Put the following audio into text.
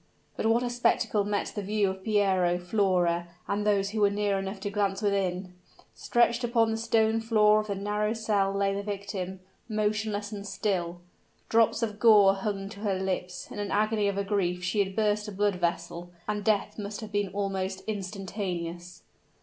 But what a spectacle met the view of Piero, Flora, and those who were near enough to glance within! Stretched upon the stone floor of the narrow cell lay the victim motionless and still! Drops of gore hung to her lips; in the agony of her grief she had burst a blood vessel and death must have been almost instantaneous.